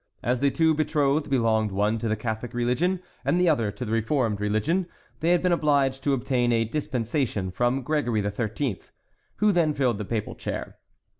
As the two betrothed belonged one to the Catholic religion and the other to the reformed religion, they had been obliged to obtain a dispensation from Gregory XIII., who then filled the papal chair.